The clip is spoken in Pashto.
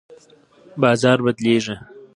بازار بدلیږي.